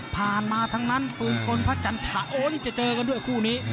ผ่านมาทั้งนั้นปื่นกนพระจันทะโตจะเจอกันด้วยคู่นี้